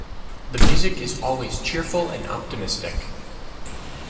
The music is always cheerful and optimistic.